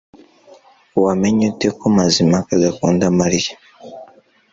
Wamenye ute ko Mazimpaka adakunda Mariya